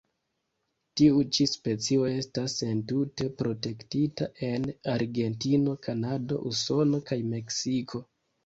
Tiu ĉi specio estas entute protektita en Argentino, Kanado, Usono kaj Meksiko.